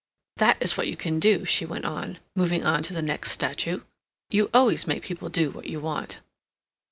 "That is what you can do," she went on, moving on to the next statue. "You always make people do what you want."